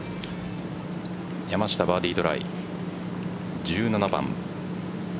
山下、バーディートライ１７番。